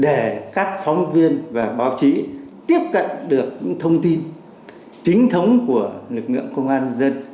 để các phóng viên và báo chí tiếp cận được những thông tin chính thống của lực lượng công an nhân dân